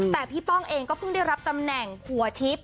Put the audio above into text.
แต่นี่น้องก็พึ่งได้รับตำแหน่งหัวทิศ